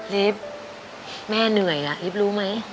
ลิฟต์แม่เหนื่อยอีฟรู้ไหม